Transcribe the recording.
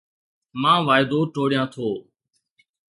مان واعدو ٽوڙيان ٿو